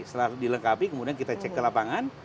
setelah dilengkapi kemudian kita cek ke lapangan